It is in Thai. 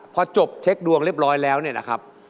พอจบเช็คดวงเรียบร้อยแล้วเนี่ยนะครับ